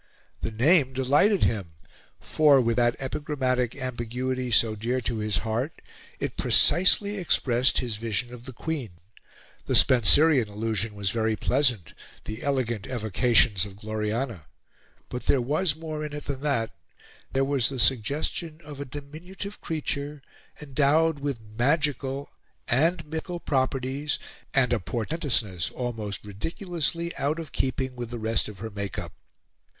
The name delighted him, for, with that epigrammatic ambiguity so dear to his heart, it precisely expressed his vision of the Queen. The Spenserian allusion was very pleasant the elegant evocations of Gloriana; but there was more in it than that: there was the suggestion of a diminutive creature, endowed with magical and mythical properties, and a portentousness almost ridiculously out of keeping with the rest of her make up.